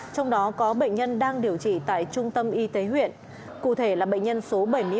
trong đó có bệnh nhân đang điều trị tại trung tâm y tế huyện cụ thể là bệnh nhân số bảy mươi ba